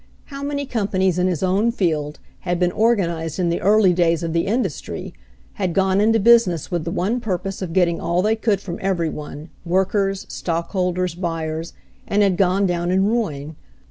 How many companies in his own field had been organized in the early days of the industry, had gone into business with the one purpose of getting all they could from every one, workers, stockholders, buyers — and had gone down in ruin